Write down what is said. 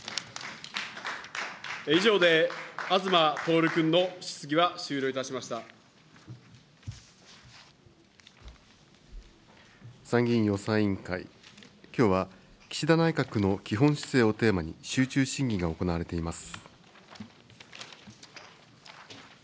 以上で東徹君の質疑は終了い参議院予算委員会、きょうは岸田内閣の基本姿勢をテーマに集中審議が行われています。